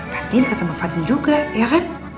pasti deket sama fatin juga ya kan